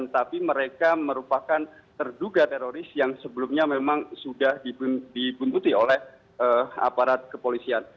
tapi mereka merupakan terduga teroris yang sebelumnya memang sudah dibuntuti oleh aparat kepolisian